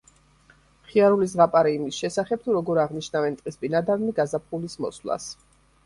მხიარული ზღაპარი იმის შესახებ, თუ როგორ აღნიშნავენ ტყის ბინადარნი გაზაფხულის მოსვლას.